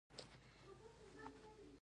لږې پیسې حواله کړې.